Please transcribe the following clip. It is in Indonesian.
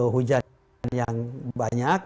hujan yang banyak